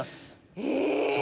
え！